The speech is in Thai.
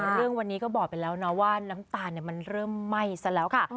เรื่องวันนี้ก็บอกไปแล้วนะว่าน้ำตาลมันเริ่มไหม้ซะแล้วค่ะ